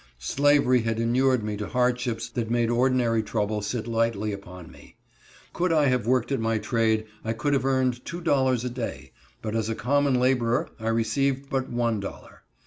Slavery had inured me to hardships that made ordinary trouble sit lightly upon me. Could I have worked at my trade I could have earned two dollars a day, but as a common laborer I received but one dollar.